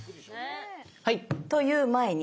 はい！という前に。